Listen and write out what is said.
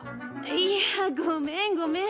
いやごめんごめん。